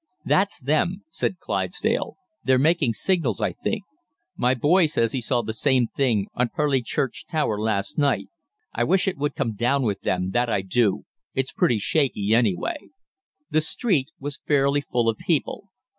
"'That's them,' said Clydesdale. 'They're making signals, I think. My boy says he saw the same thing on Purleigh Church tower last night. I wish it would come down with them, that I do. It's pretty shaky, anyway.' "The street was fairly full of people.